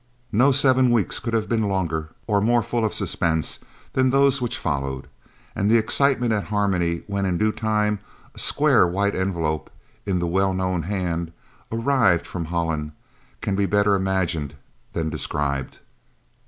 No seven weeks could have been longer or more full of suspense than those which followed, and the excitement at Harmony when in due time a square white envelope in the well known hand arrived from Holland can better be imagined than described.